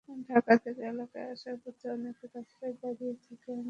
ঢাকা থেকে এলাকায় আসার পথে অনেকে রাস্তায় দাঁড়িয়ে থেকে আমাকে অভিনন্দন জানিয়েছেন।